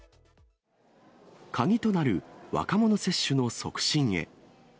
鍵となる若者接種の促進へ。